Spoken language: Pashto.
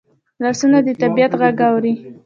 لاسونه د طبیعت غږ اوري